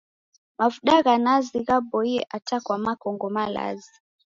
Mavuda gha nazi ghaboie hata kwa makongo malazi.